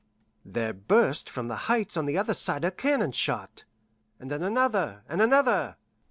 There burst from the Heights on the other side a cannon shot, and then another and another.